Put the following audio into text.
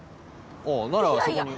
あっならあそこに。